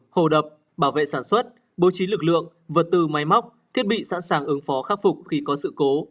hồ đập bảo vệ sản xuất bố trí lực lượng vật tư máy móc thiết bị sẵn sàng ứng phó khắc phục khi có sự cố